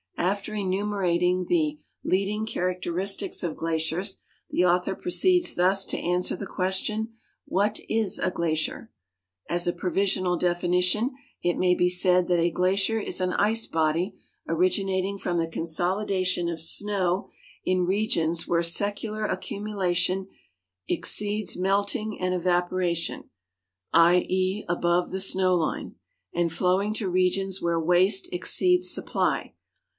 After enumerating the "leading characteristics of glaciers," the author proceeds thus to answer the question, " What is a glacier? " "As a provisional definition, it may be said that a glacier is an ice body originating from the consolidation of snow in regions where secular accumulation exceeds melting and evapo ration, I. e., above the snow line, and flowing to regions where waste exceeds supply